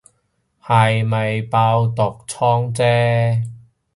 係未爆毒瘡姐